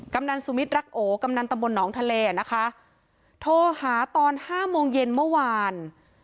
กำนันสุมิตรรักโอกำนันตำบลหนองทะเลนะคะโทรหาตอนห้าโมงเย็นเมื่อวาน